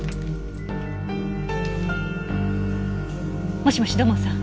もしもし土門さん。